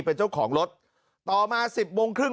เป็นเจ้าของรถต่อมาสิบโมงครึ่ง